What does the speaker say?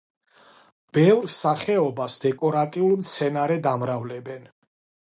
ბევრ სახეობას დეკორატიულ მცენარედ ამრავლებენ.